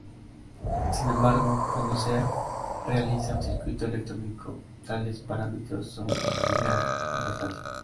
Sin embargo, cuando sea realiza un circuito electrónico, tales parámetros son de gran importancia.